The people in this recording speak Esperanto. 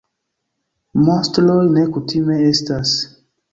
Monstroj ne kutime estas.